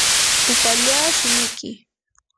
upallaa shimiki.